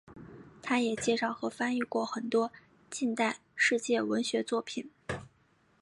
它也介绍和翻译过很多近代世界文学作品。